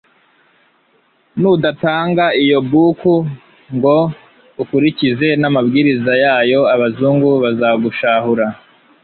Nudatanga iyo buku ngo ukurikize n'amabwiriza yayo, abazungu bazagushahura.